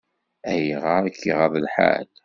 Ayɣer i k-iɣaḍ lḥal?